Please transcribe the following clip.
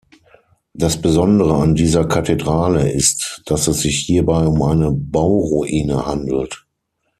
Das Besondere an dieser Kathedrale ist, dass es sich hierbei um eine Bauruine handelt.